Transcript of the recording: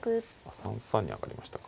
３三に上がりましたか。